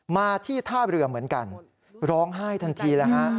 มาที่ท่าเรือเหมือนกันร้องไห้ทันทีแล้วฮะ